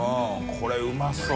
これうまそう。